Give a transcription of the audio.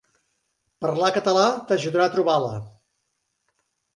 Parlar català t'ajudarà a trobar la.